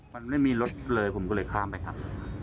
มันไม่มีรถเลยผมก็เลยข้ามไปครับ